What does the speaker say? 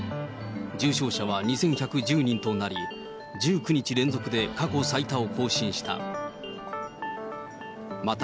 重症者は２１１０人となり、１９日連続で過去最多を更新した。